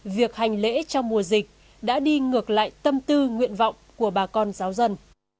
việc hành lễ trong mùa dịch đã đi ngược lại tâm tư nguyện vọng của bà con giáo dân